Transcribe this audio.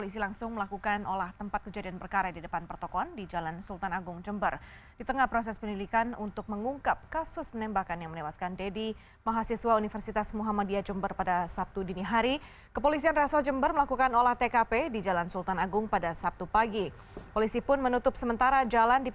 sampai semua proses selesai